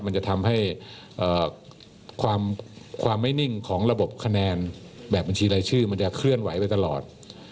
มันจะทำให้ความไม่นิ่งของระบบคะแนนแบบบัญชีรายชื่อมันจะเคลื่อนไหวไปตลอด